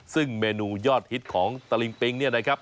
ซึ่งเมนูยอดฮิตของตะลิงปิงเนี่ยนะครับ